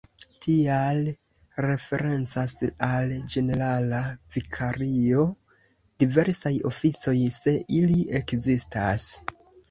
Tial referencas al ĝenerala vikario diversaj oficoj, se ili ekzistas.